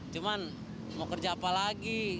cuman mau kerja apa lagi